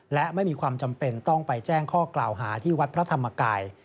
และไม่มีความจำเป็นต้องไปแจ้งข้อกล่าวหาที่วัดพระธรรมกาย